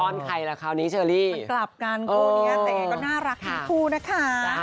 เจ็บเข่า